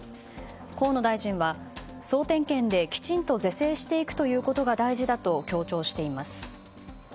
河野大臣は総点検できちんと是正していくことが大事だと強調しています。